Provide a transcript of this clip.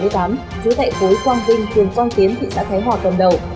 giữ tại khối quang vinh thường quang tiến thị xã thái hòa cầm đầu